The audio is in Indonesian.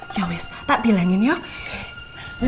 yowes tak bilangin yuk